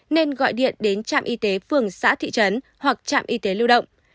nên gọi điện đến trạm y tế phường xã thị trấn hoặc trạm y tế lưu động